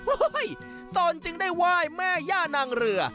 โอ้โหตนจึงได้ไหว้แม่ย่านางเรือ